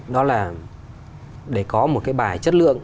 đó là để có một cái bài chất lượng